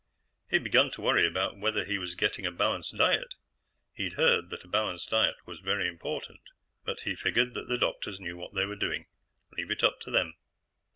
He'd begun to worry about whether he was getting a balanced diet he'd heard that a balanced diet was very important but he figured that the doctors knew what they were doing. Leave it up to them.